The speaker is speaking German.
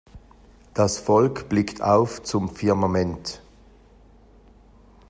Das Volk blickt auf zum Firmament.